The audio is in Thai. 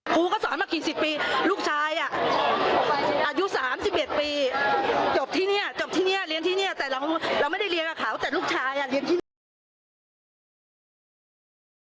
ครูก็สอนมากี่สิบปีลูกชายอ่ะอายุสามสิบเอ็ดปีจบที่เนี่ยจบที่เนี่ยเรียนที่เนี่ยแต่เราไม่ได้เรียนกับเขาแต่ลูกชายอ่ะ